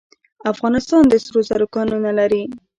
افغانستان د سرو زرو کانونه لري